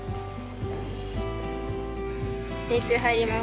練習入ります。